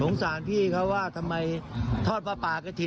หงษานพี่เค้าทำไมทอดภาพากระถิ่น